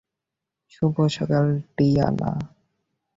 শুভ সকাল, টিয়ানা।